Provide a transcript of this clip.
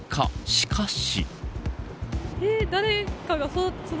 しかし。